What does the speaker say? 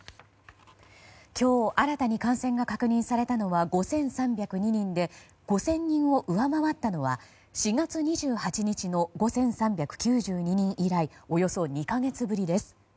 今日、新たに感染が確認されたのは５３０２人で５０００人を上回ったのは４月２８日の５３９２人以来およそ２か月ぶりです。